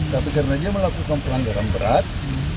tapi karena dia melakukan pelanggaran berat